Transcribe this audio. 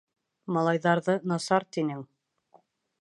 Малайҙарҙы насар, тинең.